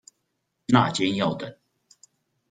那間要等